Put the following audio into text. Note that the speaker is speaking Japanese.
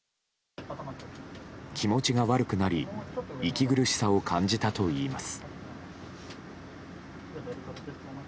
気持ちが悪くなり息苦しさを感じたといいます。